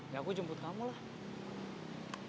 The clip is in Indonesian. ya aku jemput kamu lah